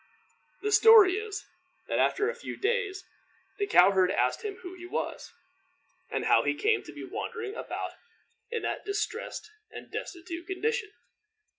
The story is, that after a few days the cow herd asked him who he was, and how he came to be wandering about in that distressed and destitute condition.